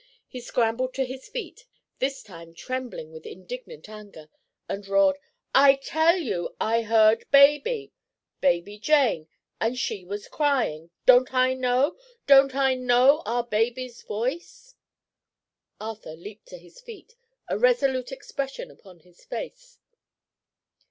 He scrambled to his feet, this time trembling with indignant anger, and roared: "I tell you I heard baby—baby Jane—and she was crying! Don't I know? Don't I know our baby's voice?" Arthur leaped to his feet, a resolute expression upon his face.